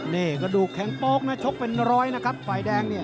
นี่กระดูกแข็งโป๊กนะชกเป็นร้อยนะครับฝ่ายแดงเนี่ย